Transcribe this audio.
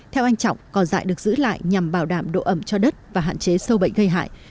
theo anh trọng cỏ dại được giữ lại nhằm bảo đảm độ ẩm cho đất và hạn chế sâu bệnh gây hại